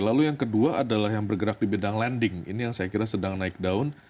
lalu yang kedua adalah yang bergerak di bidang lending ini yang saya kira sedang naik daun